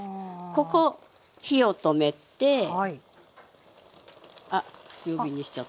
ここ火を止めてあっ強火にしちゃった。